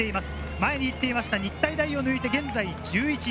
前に言っていました日体大を抜いて現在１１位。